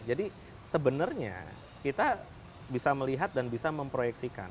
jadi sebenarnya kita bisa melihat dan bisa memproyeksikan